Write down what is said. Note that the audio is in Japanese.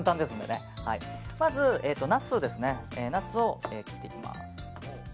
まずナスを切っていきます。